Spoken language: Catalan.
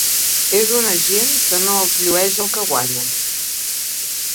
És una gent que no els llueix el que guanyen.